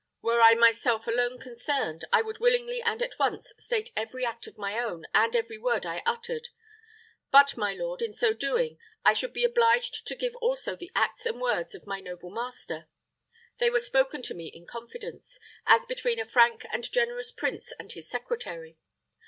Were I myself alone concerned, I would willingly and at once state every act of my own and every word I uttered; but, my lord, in so doing, I should be obliged to give also the acts and words of my noble master. They were spoken to me in confidence, as between a frank and generous prince and his secretary.